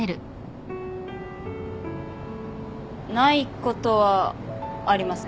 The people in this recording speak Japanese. ないことはありません。